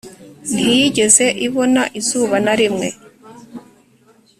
Ntiyigeze ibona izuba narimwe